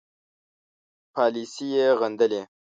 پالیسي یې غندلې.